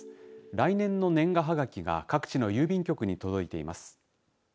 来年の年賀はがきが各地の郵便局に届いています。